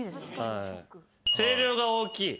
声量が大きい。